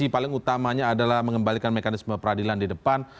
paling utamanya adalah mengembalikan mekanisme peradilan di depan